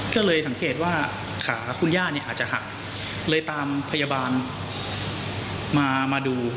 ก็เลยสังเกตว่าขาคุณย่าเนี่ยอาจจะหักเลยตามพยาบาลมาดู